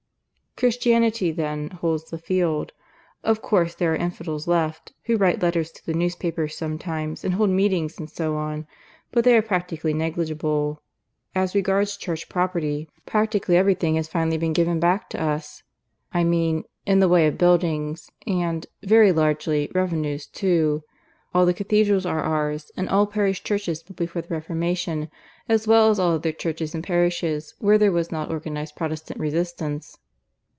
"Christianity, then, holds the field. Of course there are infidels left, who write letters to the newspapers sometimes, and hold meetings, and so on. But they are practically negligible. As regards Church property, practically everything has finally been given back to us; I mean in the way of buildings, and, very largely, revenues too. All the cathedrals are ours, and all parish churches built before the Reformation, as well as all other churches in parishes where there was not organized Protestant resistance."